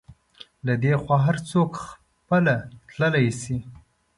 له دې خوا هر څوک خپله تللی شي.